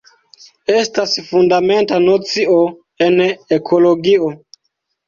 Estas fundamenta nocio en ekologio.